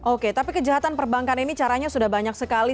oke tapi kejahatan perbankan ini caranya sudah banyak sekali